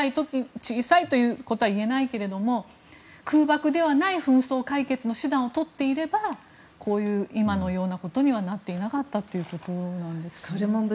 小さいということは言えないけど空爆ではない紛争解決の手段をとっていれば今のようなことにはなっていなかったということなんでしょうかね。